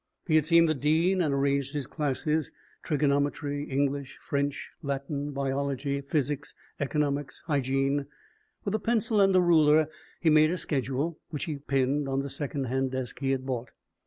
He had seen the dean and arranged his classes: trigonometry, English, French, Latin, biology, physics, economics, hygiene. With a pencil and a ruler he made a schedule, which he pinned on the second hand desk he had bought.